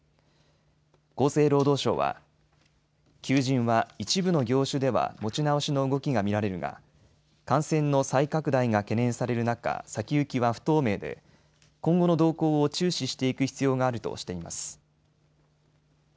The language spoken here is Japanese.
厚生労働省は求人は一部の業種では持ち直しの動きが見られるが感染の再拡大が懸念される中、先行きは不透明で今後の動向を注視していく必要があるとしています。